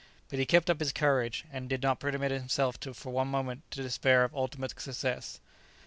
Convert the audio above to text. But he kept up his courage, and did not permit himself for one moment to despair of ultimate success.